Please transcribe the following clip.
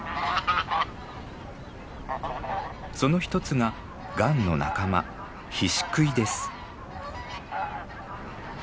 その一つがガンの仲間ヒシクイです。